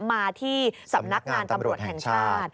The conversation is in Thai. มาที่สำนักงานตำรวจแห่งชาติ